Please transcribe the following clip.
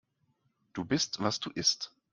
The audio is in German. Du bist, was du isst.